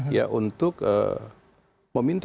ya untuk meminta